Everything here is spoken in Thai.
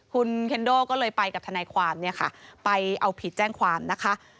คุณเคนโดวก็เลยไปกับทางนายความไปเอาผิดแจ้งความนะคะ